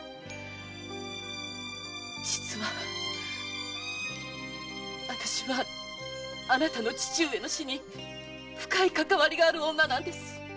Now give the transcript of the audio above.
じつは私はあなたの父上の死に深いかかわりがある女なんです。